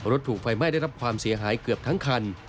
ถูกไฟไหม้ได้รับความเสียหายเกือบทั้งคัน